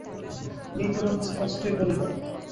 এই তোমাকে স্পষ্টই বলিলাম।